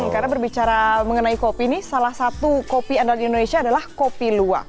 karena berbicara mengenai kopi ini salah satu kopi andal indonesia adalah kopi luwak